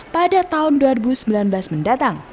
pada tahun dua ribu sembilan belas mendatang